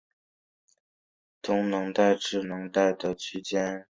在东能代至能代之间的区间列车占整日时间表的六成。